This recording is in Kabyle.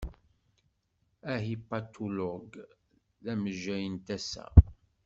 Ahipatulog d amejjay n tasa.